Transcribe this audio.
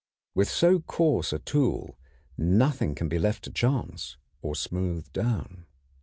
With so coarse a tool nothing can be left to chance or smoothed down.